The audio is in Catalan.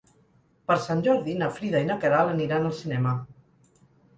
Per Sant Jordi na Frida i na Queralt aniran al cinema.